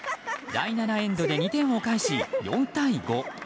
第７エンドで２点を返し４対５。